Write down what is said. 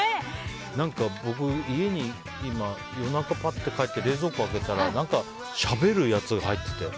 何か僕、家に今夜中、ぱっと帰って冷蔵庫を開けたら何かしゃべるやつが入ってて。